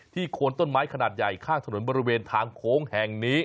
โคนต้นไม้ขนาดใหญ่ข้างถนนบริเวณทางโค้งแห่งนี้